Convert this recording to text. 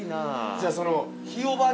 じゃあその。